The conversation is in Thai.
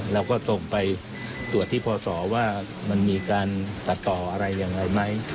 เราก็ส่งไปตรวจที่พศว่ามันมีการตัดต่ออะไรยังไงไหม